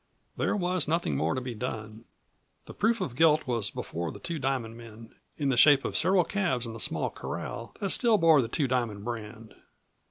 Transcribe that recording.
There was nothing more to be done. The proof of guilt was before the Two Diamond men, in the shape of several calves in the small corral that still bore the Two Diamond brand.